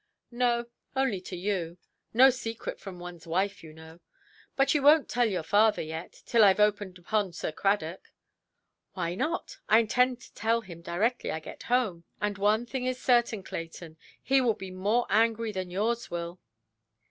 "No, only to you. No secrets from oneʼs wife, you know. But you wonʼt tell your father yet, till Iʼve opened upon Sir Cradock"? "Why not? I intend to tell him directly I get home. And one thing is certain, Clayton, he will be more angry than yours will".